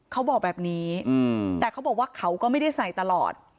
เขาบอกแบบนี้แต่เขาบอกว่าเขาก็ไม่ได้ใส่ตลอด